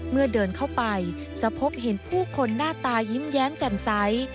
เดินเข้าไปจะพบเห็นผู้คนหน้าตายิ้มแย้มแจ่มใส